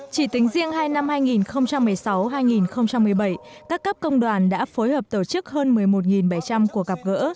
chỉ tính riêng hai năm hai nghìn một mươi sáu hai nghìn một mươi bảy các cấp công đoàn đã phối hợp tổ chức hơn một mươi một bảy trăm linh cuộc gặp gỡ